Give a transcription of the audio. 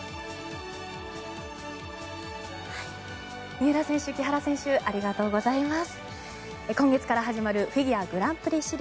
三浦選手、木原選手ありがとうございます。